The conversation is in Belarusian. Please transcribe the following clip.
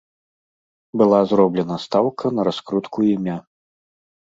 Была зроблена стаўка на раскрутку імя.